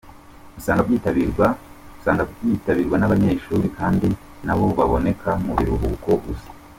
Usanga byitabirwa n’abanyeshuri kandi na bo baboneka mu biruhuko gusa.